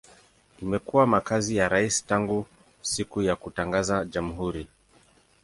Imekuwa makazi ya rais tangu siku ya kutangaza jamhuri.